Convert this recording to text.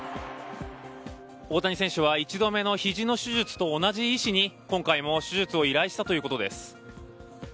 大谷選手は一度目のひじの手術と同じ医師に今回も手術を依頼したということです。